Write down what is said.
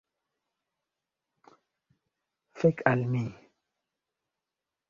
Fek' al mi!